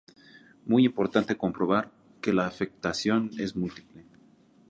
Muy importante comprobar que la afectación es múltiple.